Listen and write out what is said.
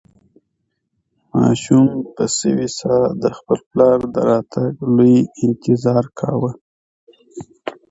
ماشوم په سوې ساه د خپل پلار د راتګ لوی انتظار کاوه.